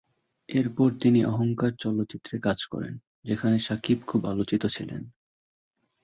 এরপর তিনি অহংকার চলচ্চিত্রে কাজ করেন, যেখানে শাকিব খুব আলোচিত ছিলেন।